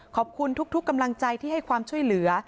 ขอบคุณทุกกำลังใจที่ให้ความช่วยเหลือ